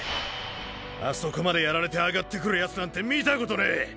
あそこまでやられてあがってくるヤツなんて見たことねェ！